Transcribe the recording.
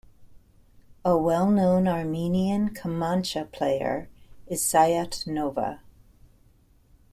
A well known Armenian kamancha player is Sayat-Nova.